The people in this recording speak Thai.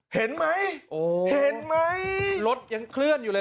เห็นมั้ยเห็นมั้ยรถยังเคลื่อนอยู่เลย